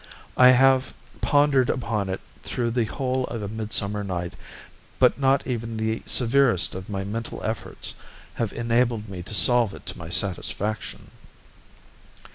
I have pondered upon it through the whole of a mid summer night, but not even the severest of my mental efforts have enabled me to solve it to my satisfaction.